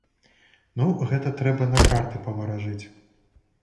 Ну, гэта трэба на карты паваражыць.